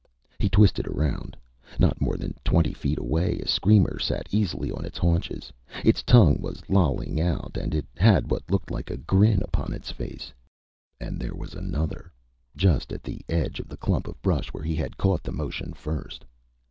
He twisted around. Not more than twenty feet away, a screamer sat easily on its haunches. Its tongue was lolling out and it had what looked like a grin upon its face. And there was another, just at the edge of the clump of brush where he had caught the motion first.